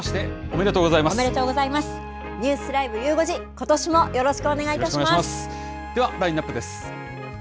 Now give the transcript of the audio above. ではラインナップです。